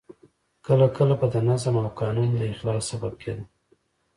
کله کله به د نظم او قانون د اخلال سبب کېده.